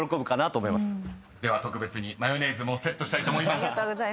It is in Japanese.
［では特別にマヨネーズもセットしたいと思います］